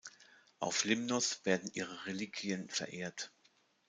Auf Limnos werden ihre Reliquien verehrt.